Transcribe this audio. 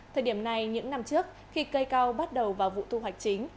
thời điểm này những năm trước khi cây cao bắt đầu vào vụ thu hoạch chính